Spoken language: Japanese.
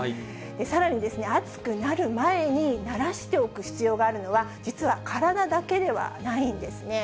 さらに暑くなる前に慣らしておく必要があるのは、実は体だけではないんですね。